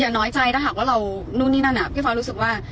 อย่าน้อยใจนะครับว่าเรานู่นนี่นั่นพี่ฟ้ารู้สึกว่า